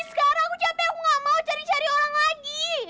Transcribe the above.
sekarang aku capek aku gak mau cari cari orang lagi